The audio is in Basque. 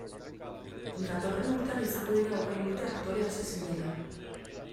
Datorren urtean izango dira hogei urte aktore hasi zinela.